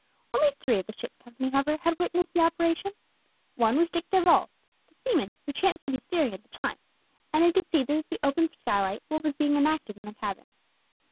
Only three of the ship's company, however, had witnessed the operation. One was Dick Darvall, the seaman who chanced to be steering at the time, and who could see through the open skylight what was being enacted in the cabin.